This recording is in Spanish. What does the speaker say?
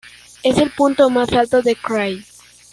Es el punto más alto del krai.